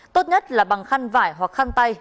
tốt nhất là bằng khăn vải hoặc khăn tay